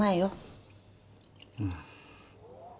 うん。